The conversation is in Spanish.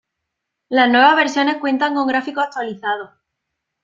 Las nuevas versiones cuentan con gráficos actualizados.